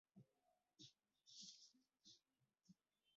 法罗群岛杯是法罗群岛的一项球会淘汰制杯赛的足球赛事。